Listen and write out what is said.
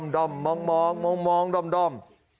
ด้อมมองด้อม